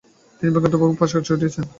তিনি ব্যাঙ্গাত্মকভাবে প্রকাশ ঘটিয়েছেন।